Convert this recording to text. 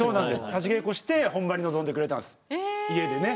立ち稽古して本番に臨んでくれたんです家でね。